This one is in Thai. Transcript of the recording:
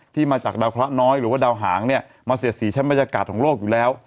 ที่มาจากดาวเคราะห์น้อยหรือว่าดาวหางเนี่ยมาเสียดสีชั้นบรรยากาศของโลกอยู่แล้ว